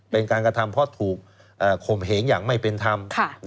เป็นการกระทำเพราะถูกข่มเหงอย่างไม่เป็นธรรม